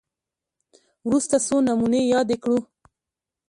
وروسته څو نمونې یادې کړو